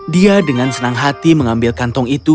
dia dengan senang hati mengambil kantong itu